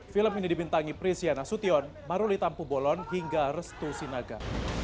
film ini dibintangi prisiana sution maruli tampu bolon hingga restu sinaga